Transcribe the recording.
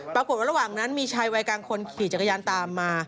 ระหว่างนั้นมีชายวัยกลางคนขี่จักรยานตามมา